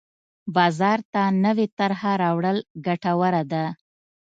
بازار ته نوې طرحه راوړل ګټوره ده.